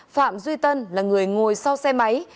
phạm duy tân là người ngồi sau xe máy